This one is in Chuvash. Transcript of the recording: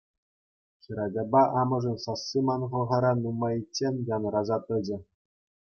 Хӗрачапа амӑшӗн сасси ман хӑлхара нумайччен янӑраса тӑчӗ.